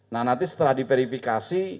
nah nanti setelah diverifikasi